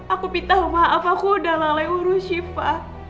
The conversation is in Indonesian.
aku minta maaf aku udah lalai urus shiva